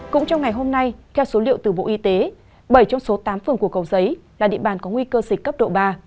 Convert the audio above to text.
cũng trong ngày hôm nay theo số liệu từ bộ y tế bảy trong số tám phường của cầu giấy là địa bàn có nguy cơ dịch cấp độ ba